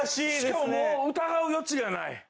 しかももう疑う余地がない。